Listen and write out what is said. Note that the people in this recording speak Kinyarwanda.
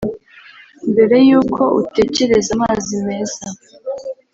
Mbere y’uko utekereza amazi meza